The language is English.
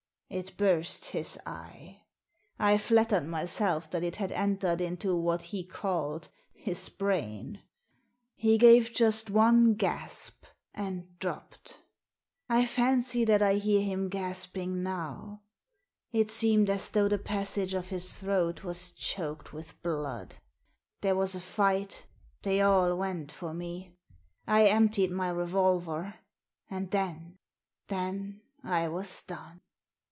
It burst his eye. I flattered myself that it had entered into what he called his brain. He gave just one gasp, and dropped. I fancy that I hear him gasping now. It seemed as though the passage of his throat was choked with blood. There was a fight They all went for me. I emptied my revolver. And then — then I was done."